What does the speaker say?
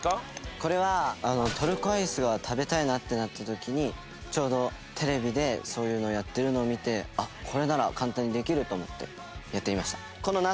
これはトルコアイスが食べたいなってなった時にちょうどテレビでそういうのをやってるのを見てこれなら簡単にできると思ってやってみました。